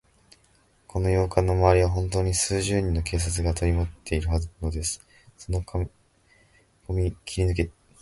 この洋館のまわりは、ほんとうに数十人の警官隊がとりまいているのです。そのかこみを切りぬけて、逃げだすことなど思いもおよびません。